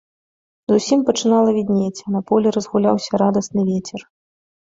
Зусім пачынала віднець, а на полі разгуляўся радасны вецер.